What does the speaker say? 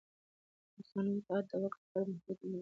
د قانون اطاعت د واک لپاره محدودیت نه بلکې ساتنه ده